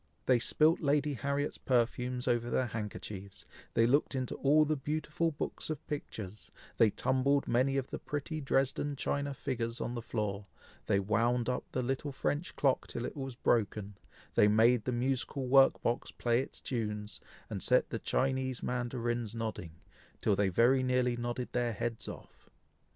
They spilt Lady Harriet's perfumes over their handkerchiefs, they looked into all the beautiful books of pictures, they tumbled many of the pretty Dresden china figures on the floor, they wound up the little French clock till it was broken, they made the musical work box play its tunes, and set the Chinese mandarins nodding, till they very nearly nodded their heads off.